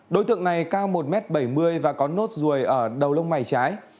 đối tượng này cao một m bảy mươi và có nốt ruồi ở đầu lông mày trái